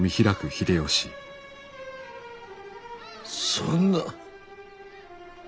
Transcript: そんな！